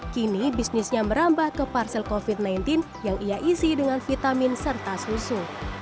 kini bisnisnya merambah ke parsel covid sembilan belas yang ia isi dengan vitamin serta susu